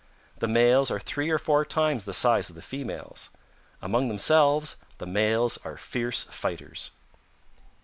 The males are three or four times the size of the females. Among themselves the males are fierce fighters.